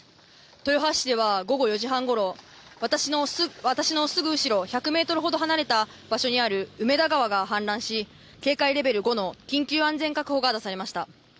豊橋市では午後４時半ごろ、私のすぐ後ろ１００ｍほど離れたところにある梅田川が氾濫し警戒レベル５の緊急安全確保が出されました。